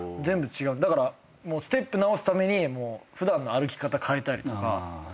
だからステップ直すために普段の歩き方変えたりとか。